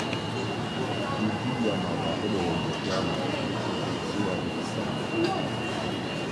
Yōji Yamada est le réalisateur le plus récompensé avec cinq prix.